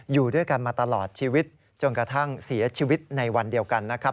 อยู่ด้วยกันมาตลอดชีวิตจนกระทั่งเสียชีวิตในวันเดียวกันนะครับ